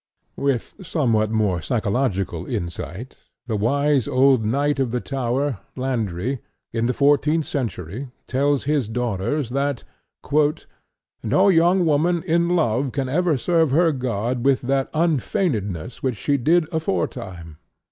With somewhat more psychological insight, the wise old Knight of the Tower, Landry, in the fourteenth century, tells his daughters that "no young woman, in love, can ever serve her God with that unfeignedness which she did aforetime.